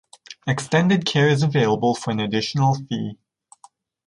Extended care is available for an additional fee.